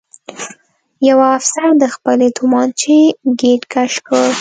یوه افسر د خپلې توپانچې ګېټ کش کړ